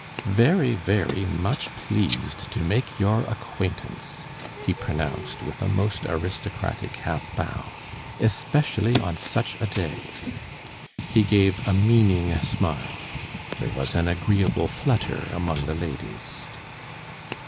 "Very, very much pleased to make your acquaintance," he pronounced with a most aristocratic half bow, "especially on such a day...." He gave a meaning smile. There was an agreeable flutter among the ladies.